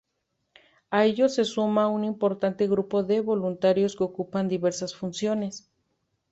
A ellos se suma un importante grupo de voluntarios que ocupan diversas funciones.